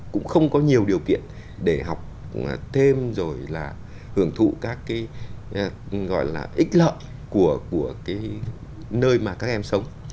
cũng không có nhiều điều kiện để học thêm rồi là hưởng thụ các cái gọi là ích lợi của cái nơi mà các em sống